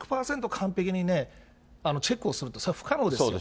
完璧にチェックをするって、それは不可能ですよ。